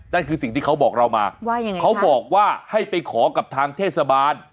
นั่นคือสิ่งที่เขาบอกเรามาว่ายังไงเขาบอกว่าให้ไปขอกับทางเทศบาล